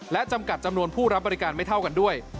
และจำกัดจำนวนผู้รับบริการไม่เท่ากันด้วย